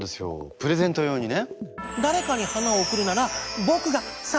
プレゼント用にね。